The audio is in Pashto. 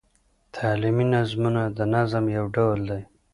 تعلیمي نظمونه د نظم یو ډول دﺉ.